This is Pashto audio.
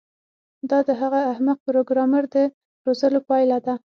دا د هغه احمق پروګرامر د روزلو پایله ده